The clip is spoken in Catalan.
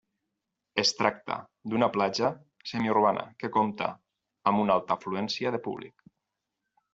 Es tracta d'una platja semiurbana que compta amb una alta afluència de públic.